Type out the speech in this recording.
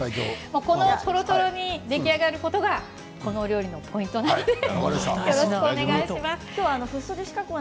とろとろに出来上がることが卵料理のポイントです。